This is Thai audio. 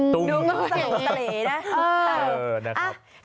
ดูมันสะหรูสะหรี่นะ